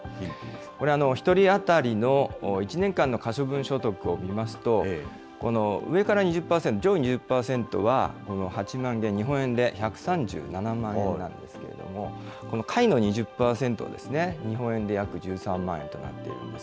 これ、１人当たりの１年間の可処分所得を見ますと、上から２０％、上位２０％は８万元、日本円で１３７万円なんですけれども、この下位の２０％は、日本円で約１３万円となってるんです。